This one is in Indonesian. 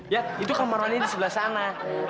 ya itu kamaruannya di sebelah sana